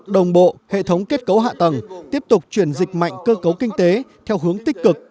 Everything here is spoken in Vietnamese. đồng bộ hệ thống kết cấu hạ tầng tiếp tục chuyển dịch mạnh cơ cấu kinh tế theo hướng tích cực